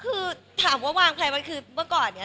คือถามว่าวางใครไว้คือเมื่อก่อนเนี่ย